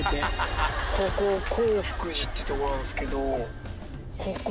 ここ洪福寺ってとこなんすけどここ！